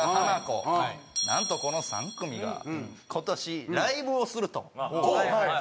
なんとこの３組が今年ライブをすると。